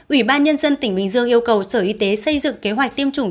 ủy ban nhân dân tp hcm yêu cầu sở y tế xây dựng kế hoạch tiêm chủng